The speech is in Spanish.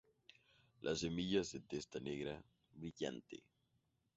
Las semillas de testa negra, brillante.